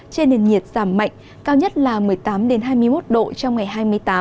trên nền nhiệt giảm mạnh cao nhất là một mươi tám hai mươi một độ trong ngày hai mươi tám